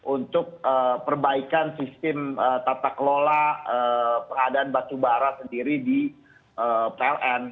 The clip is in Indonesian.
untuk perbaikan sistem tata kelola peradaan batubara sendiri di pln